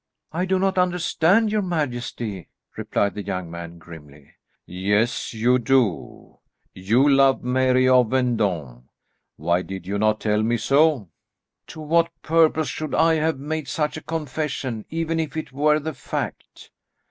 "I do not understand your majesty," replied the young man grimly. "Yes, you do. You love Mary of Vendôme. Why did you not tell me so?" "To what purpose should I have made such a confession, even if it were the fact?"